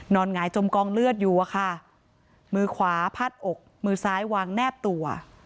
หงายจมกองเลือดอยู่อะค่ะมือขวาพาดอกมือซ้ายวางแนบตัว